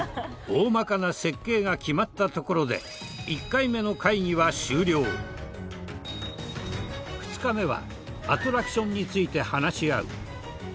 大まかな設計が決まったところで２日目はアトラクションについて話し合う。